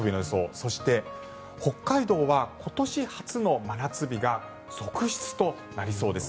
そして北海道は今年初の真夏日が続出となりそうです。